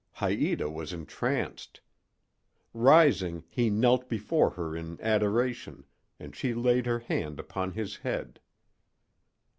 Haïta was entranced. Rising, he knelt before her in adoration, and she laid her hand upon his head.